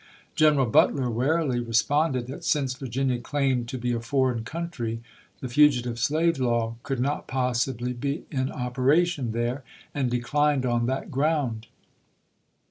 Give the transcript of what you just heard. General But ler warily responded that since Virginia claimed to be a foreign country the fugitive slave law could not possibly be in operation there, and declined on that ground.